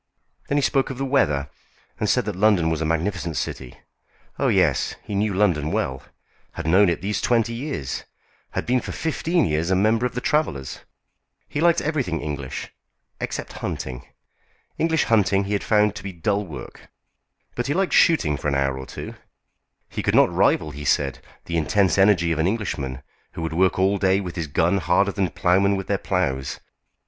Then he spoke of the weather, and said that London was a magnificent city. Oh, yes, he knew London well, had known it these twenty years; had been for fifteen years a member of the Travellers'; he liked everything English, except hunting. English hunting he had found to be dull work. But he liked shooting for an hour or two. He could not rival, he said, the intense energy of an Englishman, who would work all day with his guns harder than ploughmen with their ploughs.